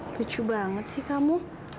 lucu banget sih kamu